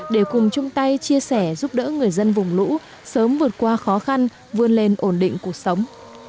để cùng chung tay chia sẻ giúp đỡ người dân vùng lũ sớm vượt qua khó khăn vươn lên ổn định cuộc sống